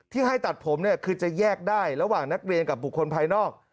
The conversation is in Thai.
ให้ตัดผมเนี่ยคือจะแยกได้ระหว่างนักเรียนกับบุคคลภายนอก